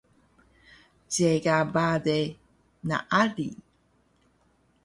Ceka bale naali